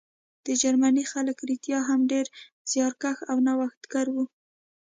د جرمني خلک رښتیا هم ډېر زیارکښ او نوښتګر وو